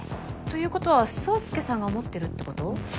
ということは宗介さんが持ってるってこと？